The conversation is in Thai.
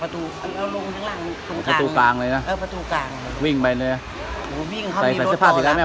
ตลอดนี้ชักปรึงไม่เห็นละหลบไปก่อนฝ่นนั้น